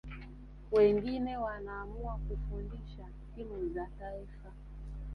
wengine wanaamua kufundisha timu za taifa